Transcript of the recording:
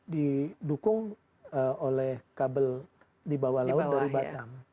di bintan itu didukung oleh kabel di bawah laut dari batam